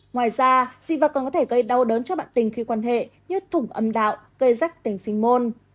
ngoài ra dị vật còn có thể gây đau đớn cho bạn tình khi quan hệ như thùng âm đạo gây rách tình sinh môn